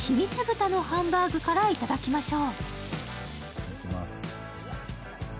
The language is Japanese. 豚のハンバーグから頂きましょう。